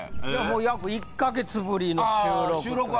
いやもう、約１か月ぶりの収録。